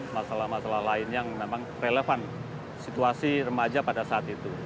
masalah masalah lain yang memang relevan situasi remaja pada saat itu